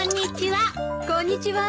こんにちは。